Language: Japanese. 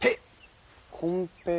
コンペイ。